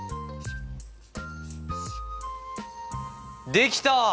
できた！